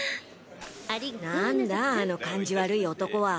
なんだあの感じ悪い男は。